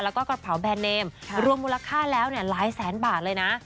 แล้วก็กระเป๋าแบรนดเนมรวมมูลค่าแล้วหลายแสนบาทเลยนะ